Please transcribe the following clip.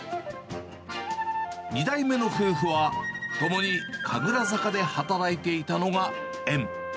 ２代目の夫婦は、共に神楽坂で働いていたのが縁。